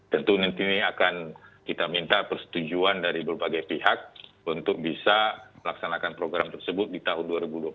tentu nanti ini akan kita minta persetujuan dari berbagai pihak untuk bisa melaksanakan program tersebut di tahun dua ribu dua puluh satu